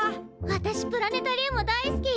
わたしプラネタリウム大好き！